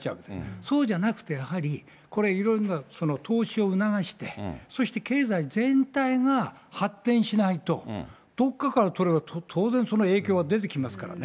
そうじゃなくて、やはり、これ、いろんな、その投資を促して、そして経済全体が発展しないと、どっかから取れば当然その影響は出てきますからね。